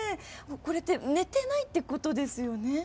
これって寝てないということですよね？